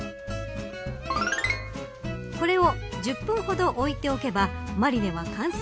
これを１０分ほど置いておけばマリネは完成。